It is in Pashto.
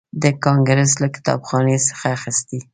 د کانګریس له کتابخانې څخه اخیستی.